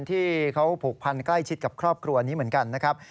ที่เขาผูกพันใกล้ชิดกับครอบครัวนี้เหมือนกันนะครับ